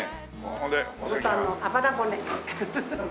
豚のあばら骨。